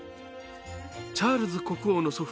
チャールズ国王の祖父